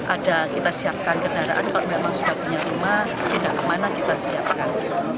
ada kita siapkan kendaraan kalau memang sudah punya rumah pindah kemana kita siapkan